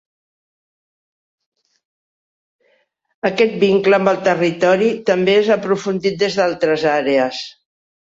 Aquest vincle amb el territori també és aprofundit des d'altres àrees.